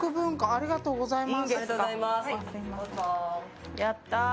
ありがとうございます。